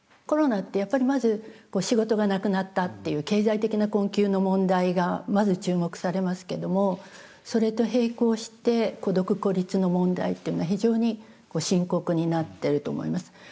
コロナってやっぱりまず仕事がなくなったっていう経済的な困窮の問題がまず注目されますけどもそれと並行して孤独・孤立の問題っていうのは非常に深刻になってると思います。